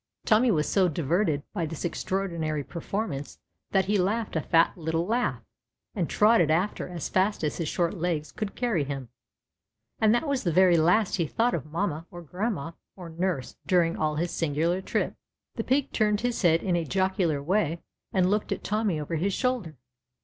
Tommy was so diverted by this extraordinary per formance that he laughed a fat little laugh and trotted after as fast as his short legs could carry him^ and tliat was the very last he thought of mamma or grandma or nurse during all his singular trip. 286 THE CHILDREN'S WONDER BOOK. The Pig turned his head in a jocular way and looked at Tommy over his shoulder.